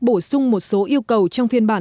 bổ sung một số yêu cầu trong phiên bản